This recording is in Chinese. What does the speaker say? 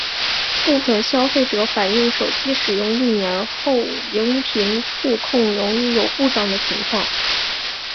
部份消费者反应手机使用一年后萤幕触控容易有故障的情况。